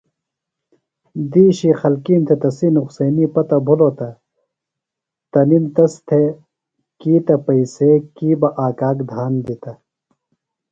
دِیشی خلکِیم تھےۡ تسی نُقصینی پتہ بِھلوۡ تہ تنِم تس تھےۡ کی تہ پئیسے کی بہ آک آک دھان دِتہ۔